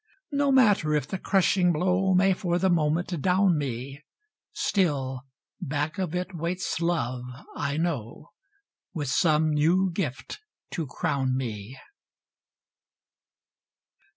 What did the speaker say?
No matter if the crushing blow May for the moment down me, Still, back of it waits Love, I know, With some new gift to crown me.